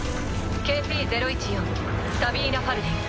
ＫＰ０１４サビーナ・ファルディン。